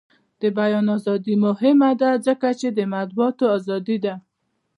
د بیان ازادي مهمه ده ځکه چې د مطبوعاتو ازادي ده.